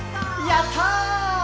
やった！